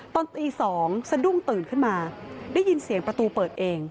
ตอนตี๒สะดุ้งตื่นขึ้นมาได้ยินเสียงประตูเปิดเอง